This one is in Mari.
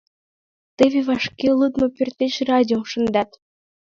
Теве вашке лудмо пӧртеш радиом шындат.